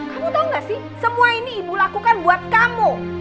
kamu tau gak sih semua ini ibu lakukan buat kamu